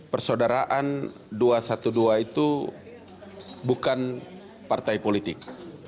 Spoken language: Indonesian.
persaudaraan dua ratus dua belas itu bukan partai politik